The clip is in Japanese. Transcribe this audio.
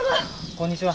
こんにちは。